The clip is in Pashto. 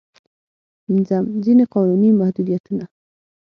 پنځم: ځينې قانوني محدودیتونه.